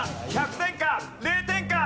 １００点か０点か！